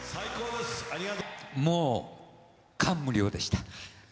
もう、感無量でした。